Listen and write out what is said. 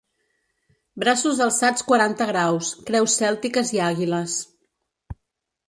Braços alçats quaranta graus, creus cèltiques i àguiles.